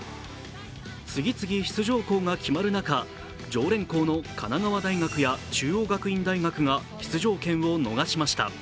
次々、出場校が決まる中、常連校の神奈川大学や中央学院大学が出場権を逃しました。